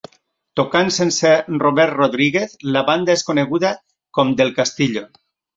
Tocant sense Robert Rodríguez, la banda és coneguda com Del Castillo.